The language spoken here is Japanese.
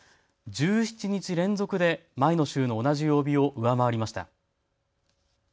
１７日連続で前の週の同じ曜日を上回りました。